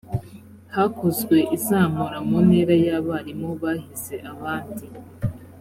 hakozwe izamura mu ntera y’abarimu bahize abandi